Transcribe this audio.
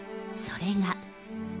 それが。